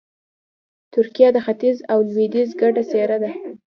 ترکیه د ختیځ او لویدیځ ګډه څېره ده.